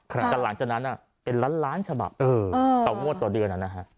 กำไรกำลังจากนั้นเป็นล้านฉบับต่อเมื่อต่อเดือนอะนะครับ